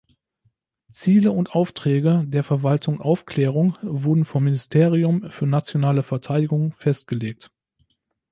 Ziele und Aufträge der Verwaltung Aufklärung wurden vom Ministerium für Nationale Verteidigung festgelegt.